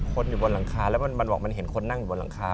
คนอยู่บนหลังคาแล้วมันบอกมันเห็นคนนั่งอยู่บนหลังคา